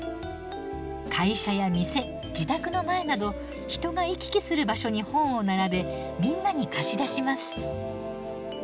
会社や店自宅の前など人が行き来する場所に本を並べみんなに貸し出します。